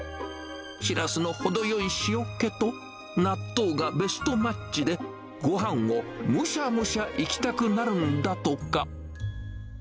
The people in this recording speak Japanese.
シラスの程よい塩気と、納豆がベストマッチで、ごはんをむしゃむしゃいきたくなるんだとか。